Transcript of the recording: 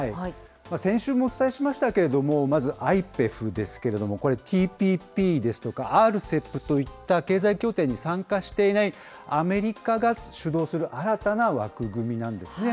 先週もお伝えしましたけれども、まずＩＰＥＦですけれども、これ、ＴＰＰですとか、ＲＣＥＰといった経済協定に参加していないアメリカが主導する新たな枠組みなんですね。